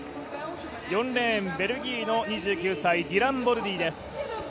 ４レーン、ベルギーの２９歳ディラン・ボルリーです。